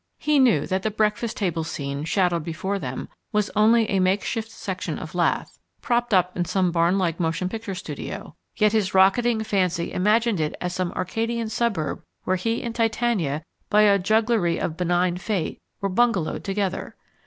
He knew that the breakfast table scene shadowed before them was only a makeshift section of lath propped up in some barnlike motion picture studio; yet his rocketing fancy imagined it as some arcadian suburb where he and Titania, by a jugglery of benign fate, were bungalowed together.